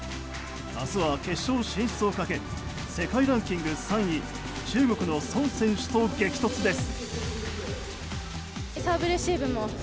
明日は決勝進出をかけ世界ランキング３位中国のソン選手と激突です。